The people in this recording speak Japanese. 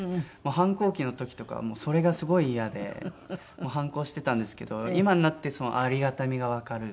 反抗期の時とかはそれがすごいイヤで反抗してたんですけど今になってそのありがたみがわかる。